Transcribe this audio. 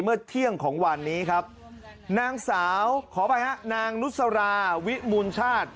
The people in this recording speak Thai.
เมื่อเที่ยงของวันนี้ครับนางสาวขออภัยฮะนางนุสราวิมูลชาติ